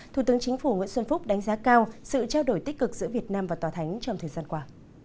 thủ tướng chính phủ nguyễn xuân phúc đánh giá cao sự trao đổi tích cực giữa việt nam và tòa thánh trong thời gian qua